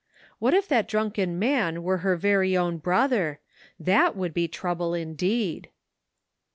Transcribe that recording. What if that drunken man were her very own brother ! that would be trouble indeed.